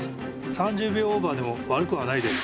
３０秒オーバーでも悪くはないです。